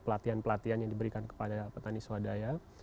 pelatihan pelatihan yang diberikan kepada petani swadaya